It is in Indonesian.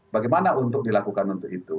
bagaimana untuk dilakukan untuk itu